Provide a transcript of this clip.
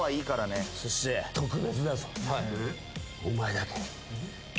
お前だけ。